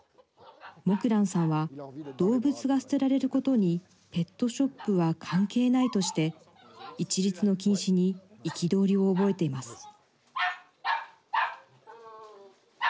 モクランさんは動物が捨てられることにペットショップは関係ないとして一律の禁止に憤りを覚えています。